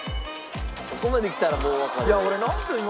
ここまできたらもうわかる。